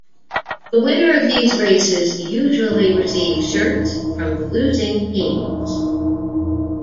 The winner of these races usually receive shirts from the losing teams.